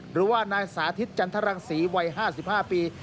หรือว่านายสาธิตจันทรังศรีวัย๕๕ปี